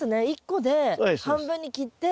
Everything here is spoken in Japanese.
１個で半分に切って。